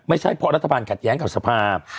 ไม่ใช่เพราะรัฐบาลขัดแย้งกับสภาพ